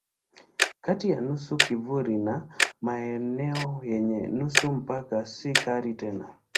Kati ya nusu kivuli na maeneo yenye nuru mpaka si kali tena.